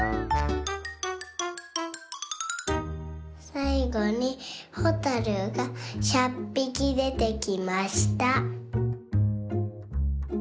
さいごにほたるが１００ぴきでてきました。